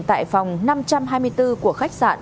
tại phòng năm trăm hai mươi bốn của khách sạn